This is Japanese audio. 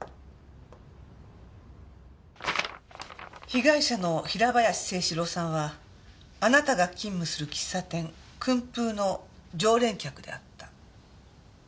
被害者の平林征志郎さんはあなたが勤務する喫茶店「薫風」の常連客であった。